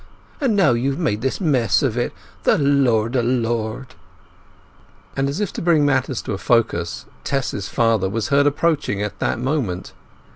—and now you've made this mess of it! The Lord a Lord!" As if to bring matters to a focus, Tess's father was heard approaching at that moment.